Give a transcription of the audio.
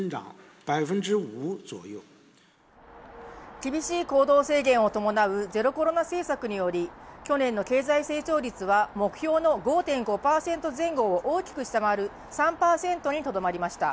厳しい行動制限を伴うゼロコロナ政策により去年の経済成長率は目標の５．５％前後を大きく下回る３％にとどまりました